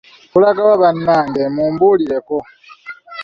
Tulaga wa bannange mumbuulireko.